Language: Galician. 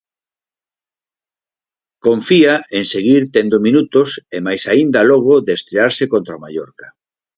Confía en seguir tendo minutos e máis aínda logo de estrearse contra o Mallorca.